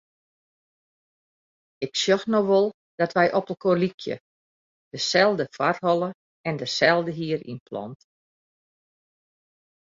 Ik sjoch no wol dat wy opelkoar lykje; deselde foarholle en deselde hierynplant.